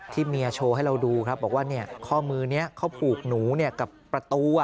เมียโชว์ให้เราดูครับบอกว่าข้อมือนี้เขาผูกหนูกับประตู